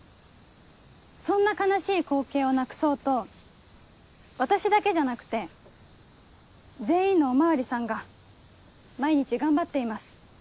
そんな悲しい光景をなくそうと私だけじゃなくて全員のお巡りさんが毎日頑張っています。